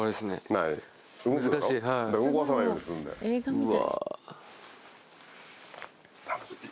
うわ。